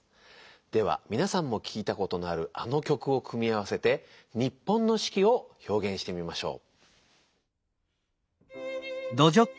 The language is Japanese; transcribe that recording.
ではみなさんも聴いたことのあるあの曲を組み合わせて日本の四季をひょうげんしてみましょう。